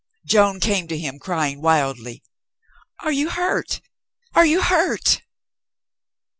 Joan came to him, crying wildly, "Are you hurt? Are you hurt?"